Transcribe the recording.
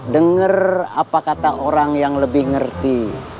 dengar apa kata orang yang lebih ngerti